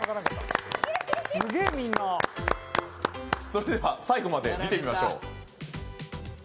それでは最後まで見てみましょう。